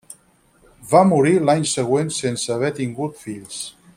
Va morir l'any següent sense haver tingut fills.